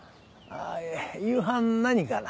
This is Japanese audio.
夕飯何かな？